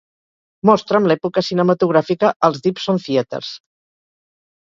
mostra'm l'època cinematogràfica als Dipson Theatres